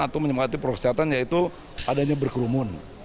atau menyempatkan perwakilan kesehatan yaitu adanya berkelumun